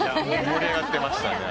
盛り上がってましたね。